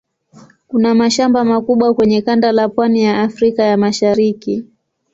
Kuna mashamba makubwa kwenye kanda la pwani ya Afrika ya Mashariki.